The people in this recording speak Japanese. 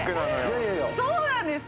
そうなんです！